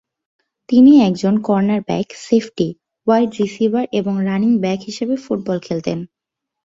তিনি একজন corner back, safety, wide receiver এবং রানিং ব্যাক হিসেবে ফুটবল খেলতেন।